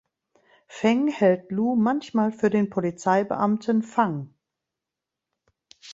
Feng hält Lu manchmal für den Polizeibeamten Fang.